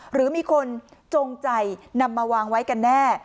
หรือมีคนจงใจนำมาวางไว้กันแน่